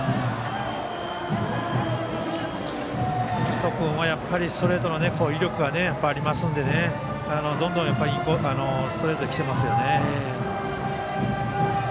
磯君はストレートの威力がありますのでどんどんストレートで来てますね。